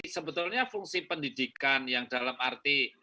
sebetulnya fungsi pendidikan yang dalam arti